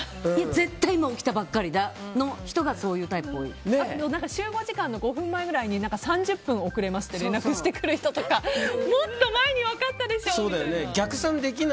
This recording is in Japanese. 絶対今起きたばかりだの人が集合時間の５分前ぐらいに３０分遅れますって連絡してくる人とかもっと前に分かったでしょみたいな。